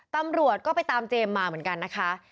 ตำรวจก็ไปตามเจมส์มาเหมือนกันนะคะ